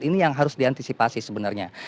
ini yang harus diantisipasi sebenarnya